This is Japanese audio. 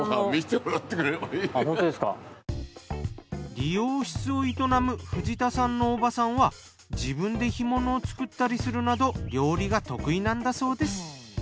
理容室を営む藤田さんの叔母さんは自分で干物を作ったりするなど料理が得意なんだそうです。